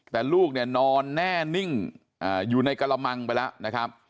แต่ลูกเนี่ยนอนแน่นิ่งอยู่ในกระมังไปแล้วนะครับ